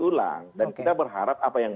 ulang dan kita berharap apa yang